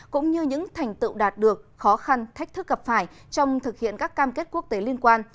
cũng như những thành tựu đạt được khó khăn thách thức gặp phải trong thực hiện các cam kết quốc tế liên quan